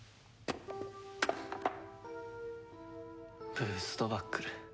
ブーストバックル。